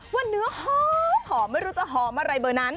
ว่าเนื้อหอมไม่รู้จะหอมอะไรเบอร์นั้น